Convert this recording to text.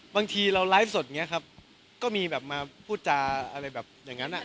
บางทีเราไลฟ์สดอย่างนี้ครับก็มีแบบมาพูดจาอะไรแบบอย่างนั้นอ่ะ